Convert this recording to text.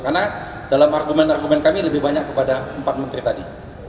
karena dalam argumen argumen kami lebih banyak kepada empat menteri tadi